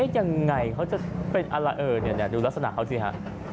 ยังไงเขาจะเป็นอะไรเออเนี่ยดูลักษณะเขาสิฮะ